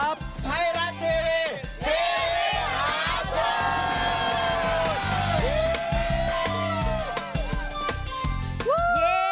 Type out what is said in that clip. ไทยรัฐเตอร์เตอร์วิทยาศาสตร์